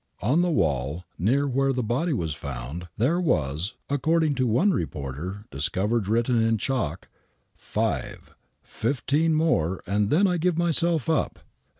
On the wall near where the body was found, there was, accord ing to one reporter, discovered written in chalk: FIVE: 15 MORE AND THEN I GIVE MYSELF UP.